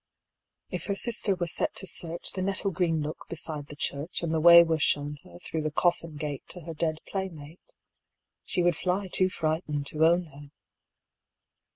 If her sister were set to searchThe nettle green nook beside the church, And the way were shown herThrough the coffin gateTo her dead playmate, She would fly too frightened to own her.